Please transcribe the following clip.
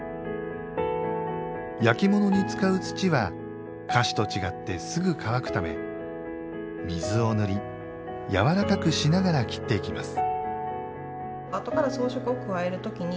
焼きものに使う土は菓子と違ってすぐ乾くため水をぬり、柔らかくしながら切っていきます。